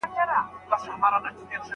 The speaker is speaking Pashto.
کمالونه چي د هري مرغۍ ډیر وي